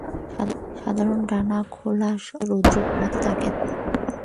সাধারনত ডানা খোলা অবস্থায় রৌদ্র পোহাতে থাকে।